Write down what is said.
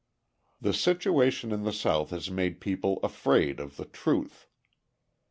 The situation in the South has made people afraid of the truth.